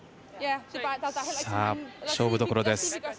勝負どころです。